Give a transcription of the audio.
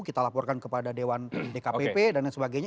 kita laporkan kepada dewan dkpp dan lain sebagainya